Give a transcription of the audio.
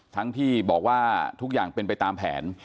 ทั้งที่บอกว่าทุกอย่างเป็นไปตามแผน